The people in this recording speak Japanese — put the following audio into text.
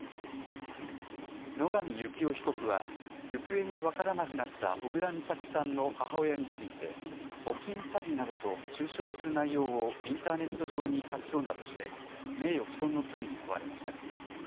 野上幸雄被告は行方が分からなくなった小倉美咲さんの母親について募金詐欺などと中傷する内容をインターネット上に書き込んだとして名誉毀損の罪に問われました。